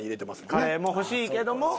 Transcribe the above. カレーも欲しいけども。